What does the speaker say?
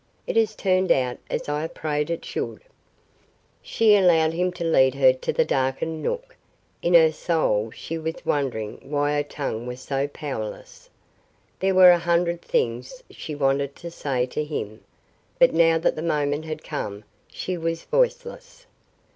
It has turned out as I have prayed it should." She allowed him to lead her to the darkened nook. In her soul she was wondering why her tongue was so powerless. There were a hundred things she wanted to say to him, but now that the moment had come she was voiceless.